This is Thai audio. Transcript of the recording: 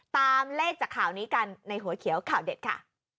ตามเลขจากข่าวนี้กันในหัวเขียวข่าวเด็ดค่ะ